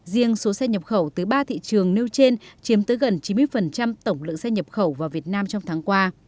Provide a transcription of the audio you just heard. riêng số xe nhập khẩu từ ba thị trường nêu trên chiếm tới gần chín mươi tổng lượng xe nhập khẩu vào việt nam trong tháng qua